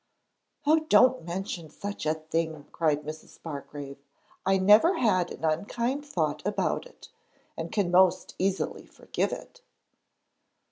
'Oh! don't mention such a thing,' cried Mrs. Bargrave. 'I never had an unkind thought about it, and can most easily forgive it.'